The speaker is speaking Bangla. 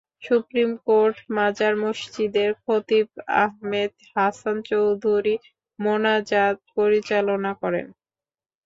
সুপ্রিম কোর্ট মাজার মসজিদের খতিব আহমেদ হাসান চৌধুরী মোনাজাত পরিচালনা করেন।